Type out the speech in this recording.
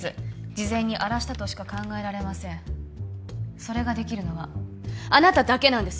事前に荒らしたとしか考えられませんそれができるのはあなただけなんです！